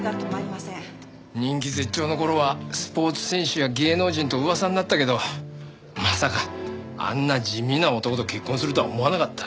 人気絶頂の頃はスポーツ選手や芸能人と噂になったけどまさかあんな地味な男と結婚するとは思わなかった。